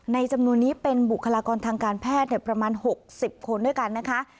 จำนวนนี้เป็นบุคลากรทางการแพทย์ประมาณ๖๐คนด้วยกันนะคะ